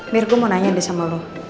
mir gue mau nanya deh sama lo